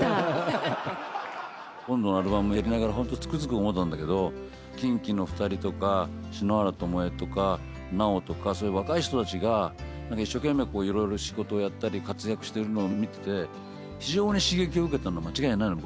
今度のアルバムやりながらつくづく思ったんだけどキンキの２人とか篠原ともえとか奈緒とかそういう若い人たちが一生懸命色々仕事をやったり活躍しているのを見てて非常に刺激を受けたのは間違いないの。